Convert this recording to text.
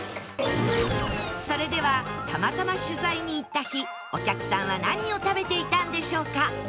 それではたまたま取材に行った日お客さんは何を食べていたんでしょうか？